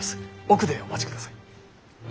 奥でお待ちください。